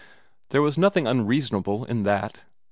There was nothing unreasonable in that.